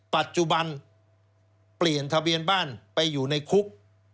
ปัจจุบันเปลี่ยนทะเบียนบ้านไปอยู่ในคุก